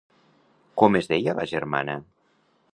Com es deia la germana?